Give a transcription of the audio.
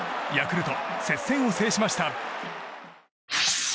ヤクルト、接戦を制しました。